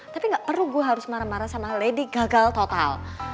tapi gak perlu gue harus marah marah sama lady gagal total